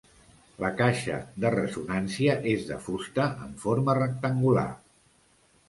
La caixa de ressonància és de fusta amb forma rectangular.